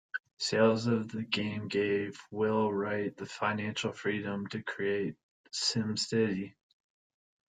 Sales of the game gave Will Wright the financial freedom to create SimCity.